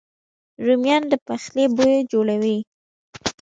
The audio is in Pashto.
رومیان د پخلي بوی جوړوي